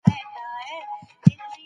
تاسي په اخیرت کي د کومې بښنې مننه کوئ؟